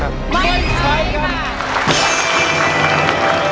ไม่ใช่ครับ